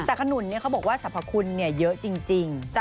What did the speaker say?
แต่ขนุนเนี่ยเค้าบอกว่าสรรพคุณเนี่ยเยอะจริง